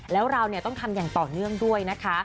แล้วเราต้องทำอย่างต่อเนื่องด้วยนะคะ